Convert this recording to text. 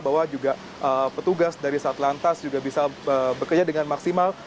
bahwa juga petugas dari satlantas juga bisa bekerja dengan maksimal